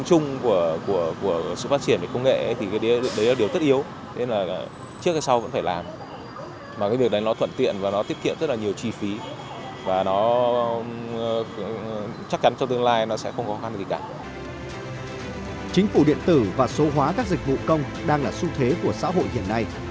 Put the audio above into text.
chính phủ điện tử và số hóa các dịch vụ công đang là xu thế của xã hội hiện nay